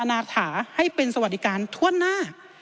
นาถาให้เป็นสวัสดิการทั่วหน้า